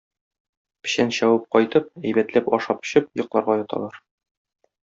Печән чабып кайтып, әйбәтләп ашап-эчеп, йокларга яталар.